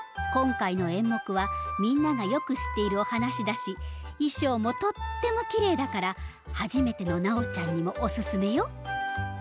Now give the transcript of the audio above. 今回の演目はみんながよく知っているお話だし衣装もとってもきれいだから初めてのナオちゃんにもおすすめよ！